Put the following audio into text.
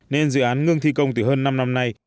nên dự án ngưng thi công từ hơn năm năm nay